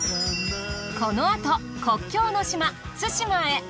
このあと国境の島対馬へ。